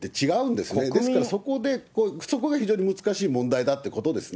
ですからそこが非常に難しい問題だってことですね。